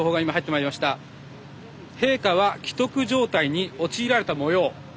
陛下は危篤状態に陥られたもよう。